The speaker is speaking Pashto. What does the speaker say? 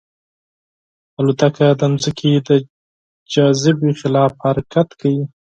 طیاره د ځمکې د جاذبې خلاف حرکت کوي.